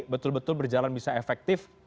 betul betul berjalan bisa efektif